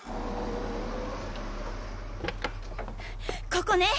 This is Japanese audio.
ここね！